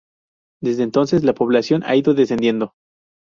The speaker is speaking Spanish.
Desde entonces la población ha ido descendiendo.